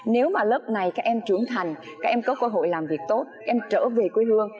nếu mà lớp này các em trưởng thành các em có cơ hội làm việc tốt em trở về quê hương